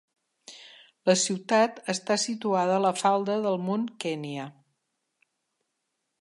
La ciutat està situada a la falda del mont Kenya.